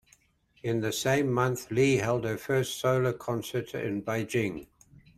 In the same month, Li held her first solo concert in Beijing.